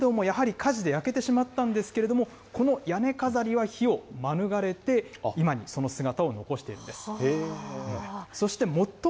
湯島聖堂のものなんですけれども、ゆしませいどうもやはり、火事で焼けてしまったんですけれども、この屋根飾りは火を免れて、今にその姿を残しているんです。